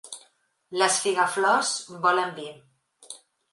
Les figaflors volen vi.